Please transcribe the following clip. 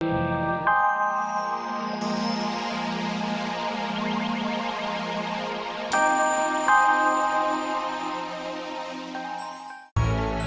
aku akan berusaha untuk membahagiakannya mbak